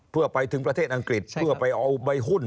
เพื่อไปถึงประเทศอังกฤษเพื่อไปเอาใบหุ้น